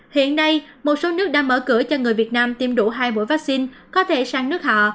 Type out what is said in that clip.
hiện nay một số nước đã mở cửa cho người việt nam tiêm đủ hai mũi vaccine có thể sang nước họ